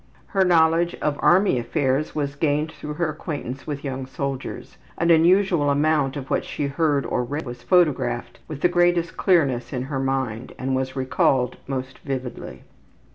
Her knowledge of army affairs was gained through her acquaintance with young soldiers. An unusual amount of what she heard or read was photographed with the greatest clearness in her mind and was recalled most vividly.